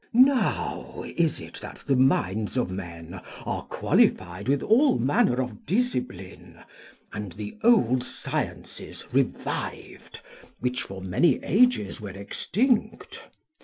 Now is it that the minds of men are qualified with all manner of discipline, and the old sciences revived which for many ages were extinct.